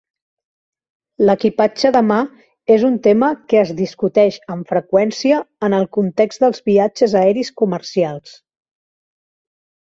L'equipatge de mà és un tema que es discuteix amb freqüència en el context dels viatges aeris comercials.